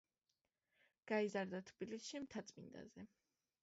გაიზარდა თბილისში, მთაწმინდაზე.